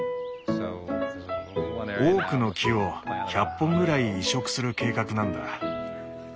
オークの木を１００本ぐらい移植する計画なんだ。